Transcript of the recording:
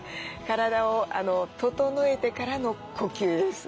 体を整えてからの呼吸です。